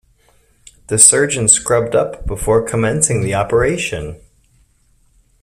The surgeon scrubbed up before commencing the operation.